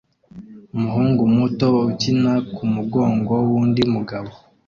umuhungu muto ukina kumugongo wundi mugabo